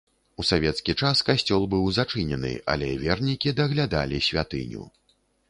У савецкі час касцёл быў зачынены, але вернікі даглядалі святыню.